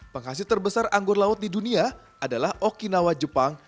penghasil terbesar anggur laut di dunia adalah okinawa jepang